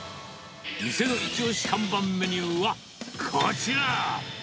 店の一押し看板メニューは、こちら。